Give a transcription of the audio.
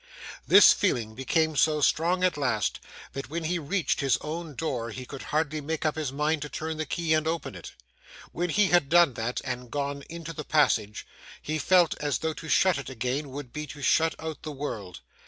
This feeling became so strong at last, that when he reached his own door, he could hardly make up his mind to turn the key and open it. When he had done that, and gone into the passage, he felt as though to shut it again would be to shut out the world.